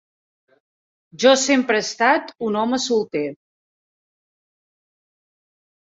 Jo sempre he estat un home solter.